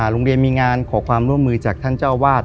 โรงเรียนมีงานขอความร่วมมือจากท่านเจ้าวาด